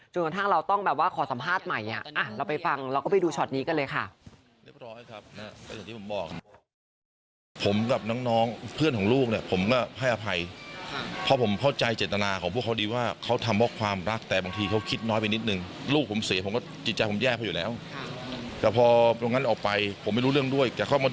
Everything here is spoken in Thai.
กระทั่งเราต้องแบบว่าขอสัมภาษณ์ใหม่เราไปฟังเราก็ไปดูช็อตนี้กันเลยค่ะ